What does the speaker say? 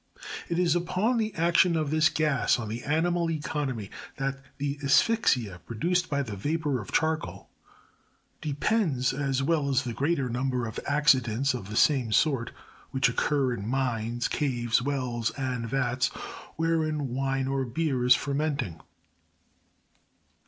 •29. It is upon the action of this gas on the animal economy that the asphyxia, produced by the vapor of charcoal, depends, as well as the greater number of accidents of the same sort which occur in mines, caves, wells, and vats wherein wine or beer is fer menting.